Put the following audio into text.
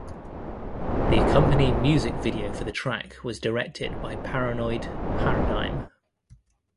The accompanying music video for the track was directed by Paranoid Paradigm.